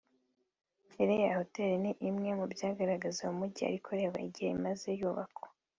iriya Hoteli ni imwe mu byagaragaza umujyi ariko reba igihe imaze yubakwa